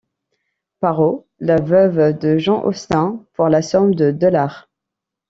Parrot, la veuve de John Austin pour la somme de dollars.